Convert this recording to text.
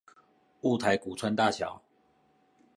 霧台谷川大橋